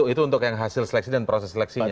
itu untuk yang hasil seleksi dan proses seleksinya